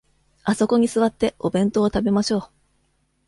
あそこに座って、お弁当を食べましょう。